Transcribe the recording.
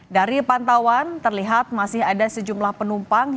dari pantauan terlihat masih ada sejumlah penumpang